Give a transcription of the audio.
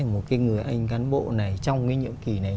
một cái người anh cán bộ này trong cái nhiệm kỳ này